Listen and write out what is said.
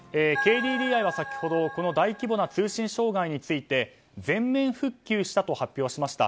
ＫＤＤＩは先ほどこの大規模な通信障害について全面復旧したと発表しました。